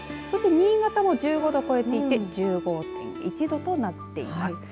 そして、新潟も１５度を超えていて１５．１度となっています。